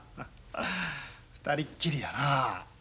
２人っきりやなあ。